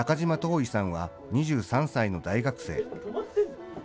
生さんは２３歳の大学生。